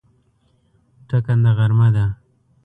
ټکنده غرمه ده